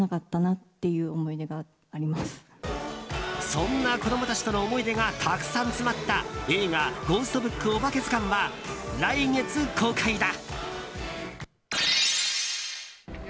そんな子供たちとの思い出がたくさん詰まった映画「ゴーストブックおばけずかん」は来月公開だ。